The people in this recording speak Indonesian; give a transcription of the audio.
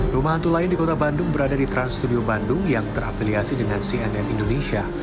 rumah hantu lain di kota bandung berada di trans studio bandung yang terafiliasi dengan cnn indonesia